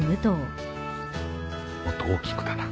もっと大きくだな。